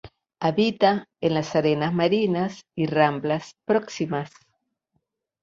Habita en las arenas marinas y ramblas próximas.